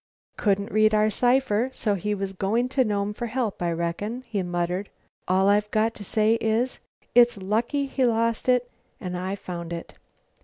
"Couldn't read our cipher, so he was going to Nome for help, I reckon," he muttered. "All I've got to say is, it's lucky he lost it and I found it."